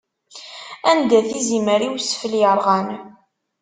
anda-t izimer i wesfel yerɣan?